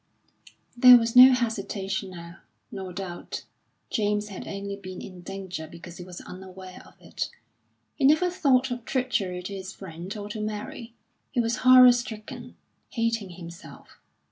There was no hesitation now, nor doubt; James had only been in danger because he was unaware of it. He never thought of treachery to his friend or to Mary; he was horror stricken, hating himself.